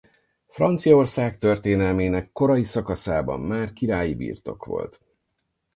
Franciaország történelmének korai szakaszában már királyi birtok volt.